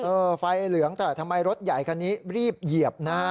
ไฟเหลืองแต่ทำไมรถใหญ่คันนี้รีบเหยียบนะฮะ